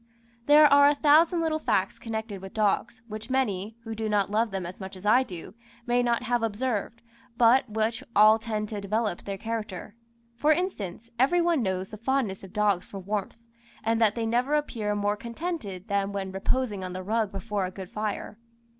There are a thousand little facts connected with dogs, which many, who do not love them as much as I do, may not have observed, but which all tend to develope their character. For instance, every one knows the fondness of dogs for warmth, and that they never appear more contented than when reposing on the rug before a good fire.